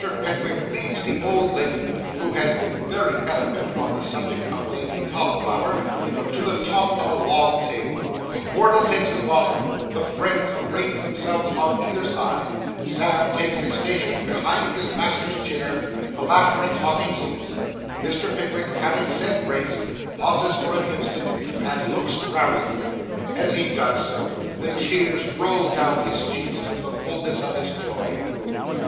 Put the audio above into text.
Pickwick leads the old lady (who has been very eloquent on the subject of Lady Tollimglower) to the top of a long table; Wardle takes the bottom; the friends arrange themselves on either side; Sam takes his station behind his master's chair; the laughter and talking cease; Mr. Pickwick, having said grace, pauses for an instant and looks round him. As he does so, the tears roll down his cheeks, in the fullness of his joy.